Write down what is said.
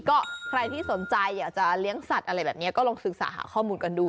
ก็ใครที่สนใจอยากจะเลี้ยงสัตว์อะไรแบบนี้ก็ลองศึกษาหาข้อมูลกันดู